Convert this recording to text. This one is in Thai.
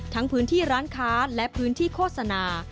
พื้นที่ร้านค้าและพื้นที่โฆษณา